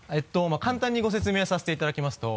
簡単にご説明させていただきますと。